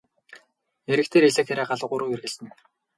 Эрэг дээр элээ хэрээ галуу гурав эргэлдэнэ.